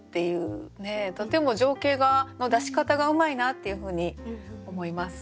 とても情景の出し方がうまいなっていうふうに思います。